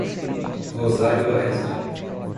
Rosário Oeste